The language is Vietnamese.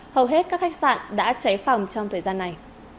hầu hết các khách sạn đã cháy phòng trong thời gian này